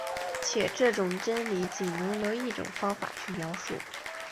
且这种真理仅能由一种方法去描述。